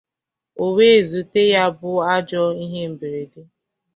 o wee zute ya bụ ajọ ihe mberede.